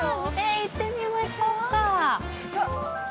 ◆行ってみましょうか。